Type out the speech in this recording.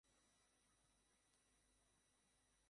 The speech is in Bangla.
ভাই, আসলে তোমাকে ডাকছিলাম।